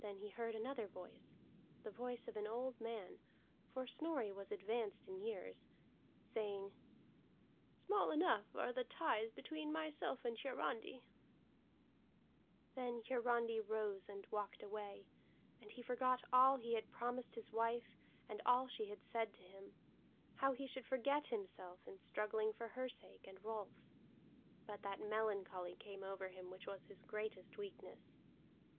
Then he heard another voice, the voice of an old man for Snorri was advanced in years saying: "Small enough are the ties between myself and Hiarandi." Then Hiarandi rose and walked away. And he forgot all he had promised his wife, and all she had said to him: how he should forget himself in struggling for her sake and Rolf's. But that melancholy came over him which was his greatest weakness.